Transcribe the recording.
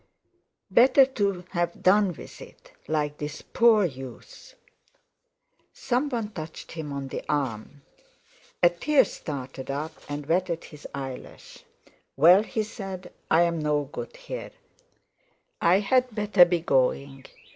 Better to have done with it, like this poor youth.... Some one touched him on the arm. A tear started up and wetted his eyelash. "Well," he said, "I'm no good here. I'd better be going.